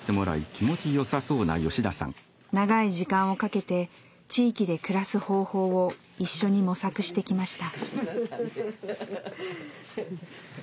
長い時間をかけて地域で暮らす方法を一緒に模索してきました。